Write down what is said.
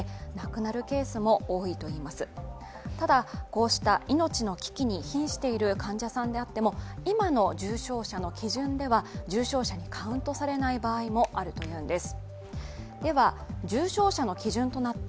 こうした命の危機に瀕している患者さんであっても今の重症者の基準では重症者にカウントされない場合もあるというんです。